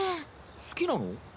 好きなの？